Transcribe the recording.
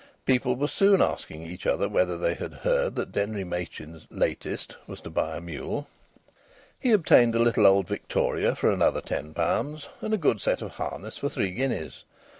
People were soon asking each other whether they had heard that Denry Machin's "latest" was to buy a mule. He obtained a little old victoria for another ten pounds, and a good set of harness for three guineas.